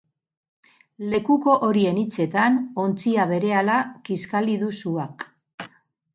Lekuko horien hitzetan, ontzia berehala kiskali du suak.